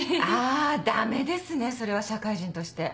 あダメですねそれは社会人として。